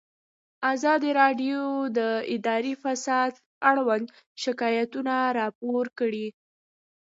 ازادي راډیو د اداري فساد اړوند شکایتونه راپور کړي.